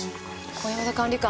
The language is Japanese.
小山田管理官